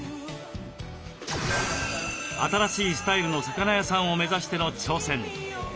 新しいスタイルの魚屋さんを目指しての挑戦。